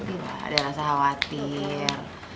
pasti lah pasti lah adalah sahabatim